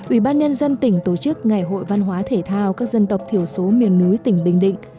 ủy ban nhân dân tỉnh tổ chức ngày hội văn hóa thể thao các dân tộc thiểu số miền núi tỉnh bình định